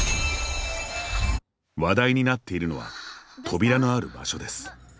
話題になっているのは扉のある場所です。